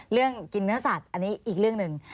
เรื่องกินเนื้อสัตว์อันนี้อีกเรื่องหนึ่ง